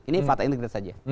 ini fakta integritas saja